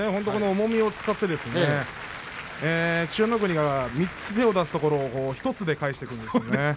重みを使って千代の国が３つ手を出すところを１つで返していくんですよね。